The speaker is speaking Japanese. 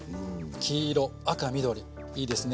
黄色赤緑いいですね。